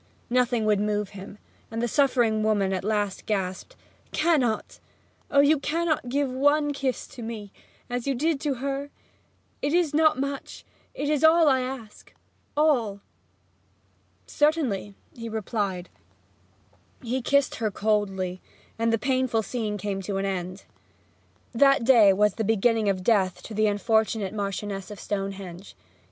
Nothing would move him; and the suffering woman at last gasped, 'Cannot oh, cannot you give one kiss to me as you did to her? It is not much it is all I ask all!' 'Certainly,' he replied. He kissed her coldly, and the painful scene came to an end. That day was the beginning of death to the unfortunate Marchioness of Stonehenge.